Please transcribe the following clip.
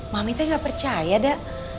mami tuh gak percaya deh